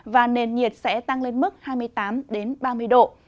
và nền nhiệt sẽ tăng lên mức hai mươi tám ba mươi độ